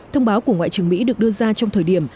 thông báo của ngoại trưởng mỹ được đưa ra trong thời điểm